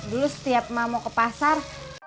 gue setiap mau ke pasar